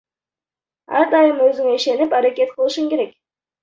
Ар дайым өзүңө ишенип аракет кылышың керек.